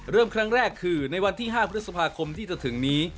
เริ่มครั้งแรกคือในวันที่๕พฤษภาคมที่จะถึงนี้